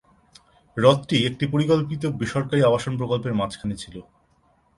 হ্রদটি একটি পরিকল্পিত বেসরকারি আবাসন প্রকল্পের মাঝখানে ছিল।